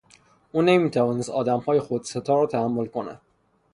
او نمیتوانست آدمهای خودستا را تحمل کند.